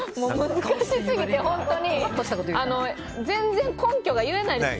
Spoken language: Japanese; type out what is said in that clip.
難しすぎて、本当に全然根拠が言えないです